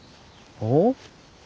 おっ？